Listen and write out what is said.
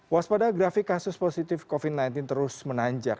waspada grafik kasus positif covid sembilan belas terus menanjak